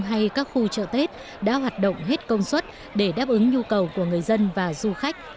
hay các khu chợ tết đã hoạt động hết công suất để đáp ứng nhu cầu của người dân và du khách